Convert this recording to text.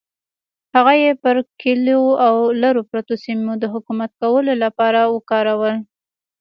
هغه یې پر کلیو او لرو پرتو سیمو د حکومت کولو لپاره وکارول.